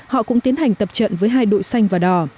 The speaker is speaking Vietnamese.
họ cũng tiến hành tập trận với hai đội xanh và đỏ